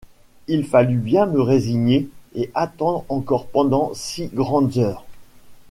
Il fallut bien me résigner et attendre encore pendant six grandes heures!